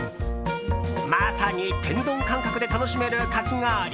まさに天丼感覚で楽しめるかき氷。